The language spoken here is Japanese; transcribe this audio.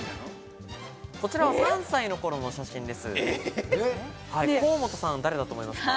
こちらは３歳の頃の写真です。